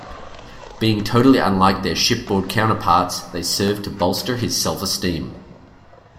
Being totally unlike their ship-board counterparts, they serve to bolster his self-esteem.